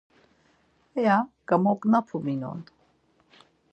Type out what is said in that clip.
Aya gamognapu minon.